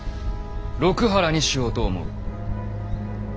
六波羅にしようと思う。